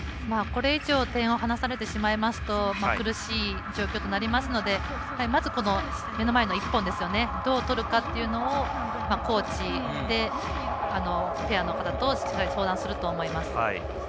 これ以上点を離されてしまいますと苦しい状況となりますのでまず、目の前の一本をどう取るかというのをコーチ、ペアの方としっかり相談すると思います。